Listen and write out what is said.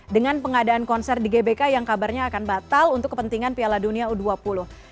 dengan pengadaan konser di gbk yang kabarnya akan batal untuk kepentingan piala dunia u dua puluh